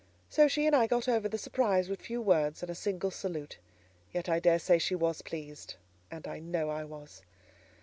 So she and I got over the surprise with few words and a single salute; yet I daresay she was pleased, and I know I was.